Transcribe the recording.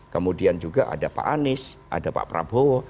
kemudian juga ada pak anies ada pak prabowo